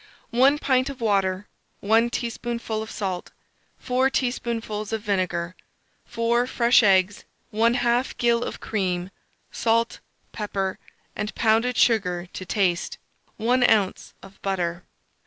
1 pint of water, 1 teaspoonful of salt, 4 teaspoonfuls of vinegar, 4 fresh eggs, 1/2 gill of cream, salt, pepper, and pounded sugar to taste, 1 oz. of butter.